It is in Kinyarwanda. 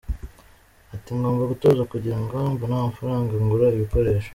Ati “Ngomba gutoza kugira ngo mbone amafaranga ngura ibikoresho.